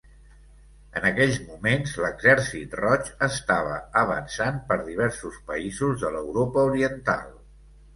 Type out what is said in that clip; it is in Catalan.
En aquells moments, l'Exèrcit Roig estava avançant per diversos països de l'Europa Oriental.